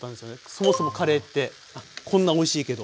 そもそもカレーってこんなおいしいけど。